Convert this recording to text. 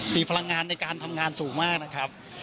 มีพลังงานในการทำงานสูงมากนะครับ